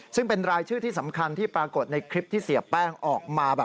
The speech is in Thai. ซึ่งเป็นรายชื่อที่สำคัญที่ปรากฏในคลิปที่เสียแป้งออกมาแบบ